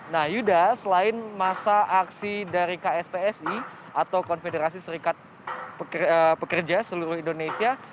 nah yuda selain masa aksi dari kspsi atau konfederasi serikat pekerja seluruh indonesia